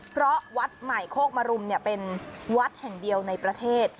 เพราะวัดใหม่โคกมรุมเป็นวัดแห่งเดียวในประเทศ